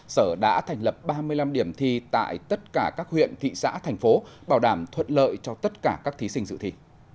sở đã thành lập ba mươi năm điểm thi tại tất cả các huyện thị xã thành phố bảo đảm thuận lợi cho tất cả các thí sinh dự thi